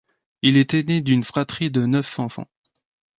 Il est aîné d'une fratrie de neuf enfants.